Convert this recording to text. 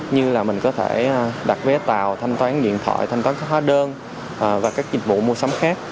như là mình có thể đặt vé tàu thanh toán điện thoại thanh toán các hóa đơn và các dịch vụ mua sắm khác